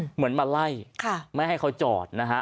เหมือนมาไล่ไม่ให้เขาจอดนะฮะ